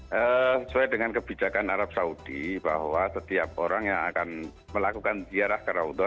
sesuai dengan kebijakan arab saudi bahwa setiap orang yang akan melakukan ziarah ke raudhua